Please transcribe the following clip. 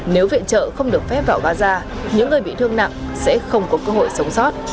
nếu viện trợ không được phép vào gaza những người bị thương nặng sẽ không có cơ hội sống sót